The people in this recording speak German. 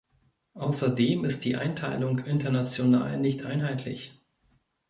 Außerdem ist die Einteilung international nicht einheitlich.